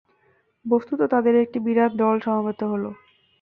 বস্তুত তাদের একটি বিরাট দল সমবেত হল।